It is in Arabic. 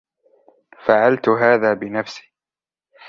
فعلت هذا بنفسي.